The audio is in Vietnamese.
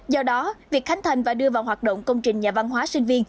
do đó việc khánh thành và đưa vào hoạt động công trình nhà văn hóa sinh viên